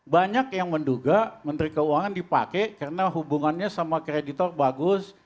banyak yang menduga menteri keuangan dipakai karena hubungannya sama kreditor bagus